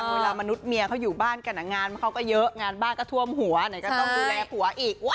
มนุษย์เมียเขาอยู่บ้านกันงานเขาก็เยอะงานบ้านก็ท่วมหัวไหนก็ต้องดูแลผัวอีก